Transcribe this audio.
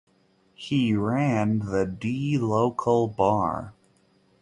He ran the "Dee Local Bar".